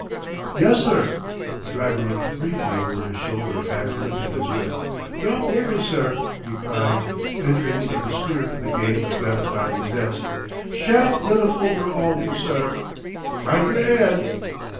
"Yes, sir!" The driver looked briefly over his shoulder and lifted his whip. "Don't worry, sir," he cried, entering into the spirit of the game with gratifying zest. "Shan't let 'em over'aul you, sir. Mind your 'ead!"